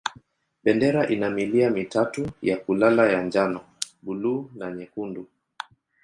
Bendera ina milia mitatu ya kulala ya njano, buluu na nyekundu.